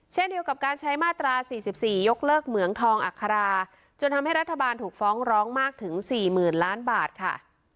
เช่นเดียวกับการใช้มาตรา๔๔ยกเลิกเหมืองทองอัคราจนทำให้รัฐบาลถูกฟ้องร้องมากถึง๔๐๐๐ล้านบาทค่ะ